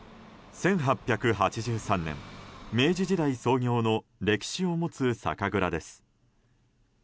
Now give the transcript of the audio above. １８８３年、明治時代創業の歴史を持つ酒蔵です。